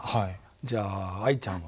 じゃあ藍ちゃんは？